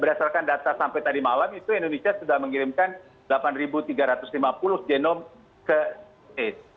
berdasarkan data sampai tadi malam itu indonesia sudah mengirimkan delapan tiga ratus lima puluh genom ke aids